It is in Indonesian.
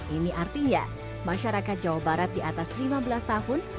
ini artinya masyarakat jawa barat di atas lima belas tahun